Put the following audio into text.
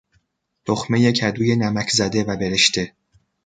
تخمه کدوی نمکزده و برشته